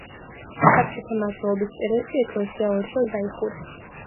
საბჭოტა მმართველობის პერიოდში ეკლესია ორჯერ დაიხურა.